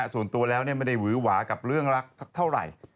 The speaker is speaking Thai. ส่วนตัวแล้วไม่ได้หือหวากับเรื่องรักสักเท่าไหร่